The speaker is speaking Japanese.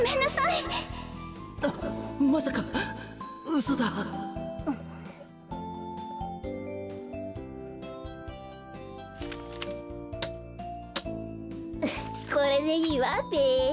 ウフッこれでいいわべ。